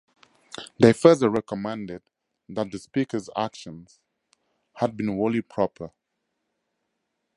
They further recommended that the Speaker's actions had been wholly proper.